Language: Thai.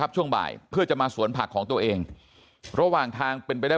ช่วงบ่ายเพื่อจะมาสวนผักของตัวเองระหว่างทางเป็นไปได้